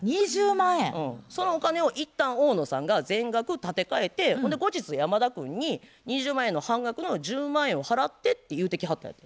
そのお金を一旦大野さんが全額立て替えてほんで後日山田君に２０万円の半額の１０万円を払ってって言うてきはったんやて。